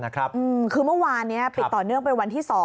คือเมื่อวานนี้ปิดต่อเนื่องเป็นวันที่๒